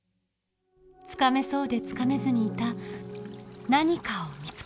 つかめそうでつかめずにいた何かを見つけます。